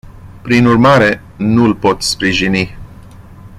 Prin urmare, nu îl pot sprijini.